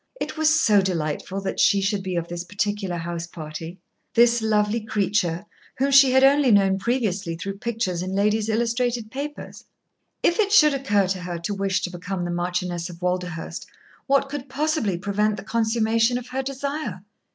It was so delightful that she should be of this particular house party this lovely creature, whom she had only known previously through pictures in ladies' illustrated papers. If it should occur to her to wish to become the Marchioness of Walderhurst, what could possibly prevent the consummation of her desire?